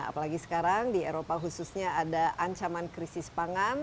apalagi sekarang di eropa khususnya ada ancaman krisis pangan